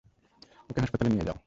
ওকে হাসপাতালে নিয়ে যাও।